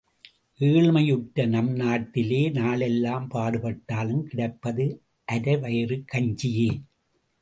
ஏழ்மையுற்ற நம் நாட்டிலே நாளெல்லாம் பாடுபட்டாலும் கிடைப்பது அரை வயிற்றுக் கஞ்சியே.